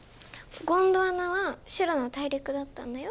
ゴンドワナはシュラの大陸だったんだよ。